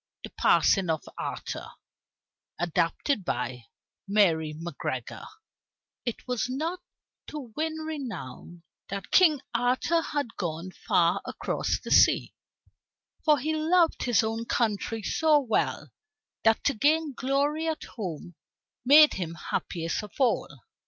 THE PASSING OF ARTHUR ADAPTED BY MARY MACGREGOR It was not to win renown that King Arthur had gone far across the sea, for he loved his own country so well, that to gain glory at home made him happiest of all.